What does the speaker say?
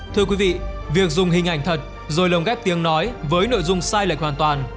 thưa quý vị việc dùng hình ảnh thật rồi lồng ghép tiếng nói với nội dung sai lệch hoàn toàn